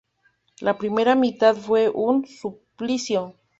La primera mitad fue un suplicio.